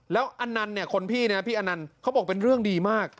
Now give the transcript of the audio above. แล้วอันนั้นเนี่ยคนพี่นะพี่อนันต์เขาบอกเป็นเรื่องดีมาก